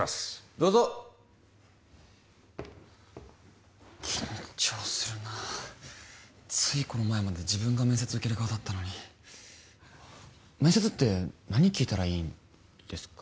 どうぞ緊張するなついこの前まで自分が面接受ける側だったのに面接って何聞いたらいいんですか？